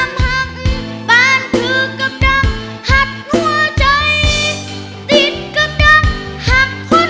คือร้องได้ให้ร้อง